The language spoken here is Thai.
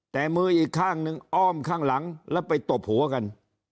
แต่มืออีกข้างหนึ่งอ้อมข้างหลังแล้วไปตบหัวกัน